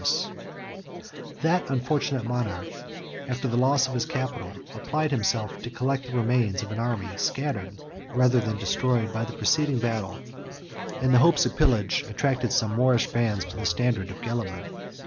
—M] That unfortunate monarch, after the loss of his capital, applied himself to collect the remains of an army scattered, rather than destroyed, by the preceding battle; and the hopes of pillage attracted some Moorish bands to the standard of Gelimer.